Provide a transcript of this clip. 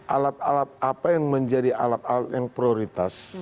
alat alat apa yang menjadi alat alat yang prioritas